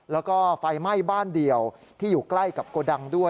แล้วก็ไฟไหม้บ้านเดียวที่อยู่ใกล้กับโกดังด้วย